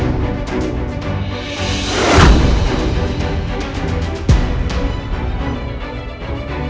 mama masih marah ya